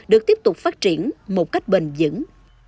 được tiếp tục phát triển một cách bền dững